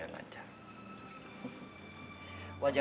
terima kasih sayang